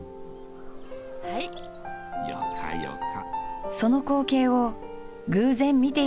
はいッ。よかよか。